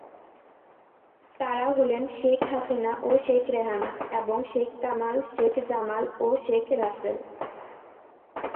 তারা হলেন শেখ হাসিনা ও শেখ রেহানা এবং শেখ কামাল, শেখ জামাল ও শেখ রাসেল।